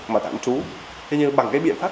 mà tặng chú thế nhưng bằng cái biện pháp